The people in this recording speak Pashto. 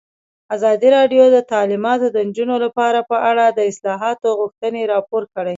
ازادي راډیو د تعلیمات د نجونو لپاره په اړه د اصلاحاتو غوښتنې راپور کړې.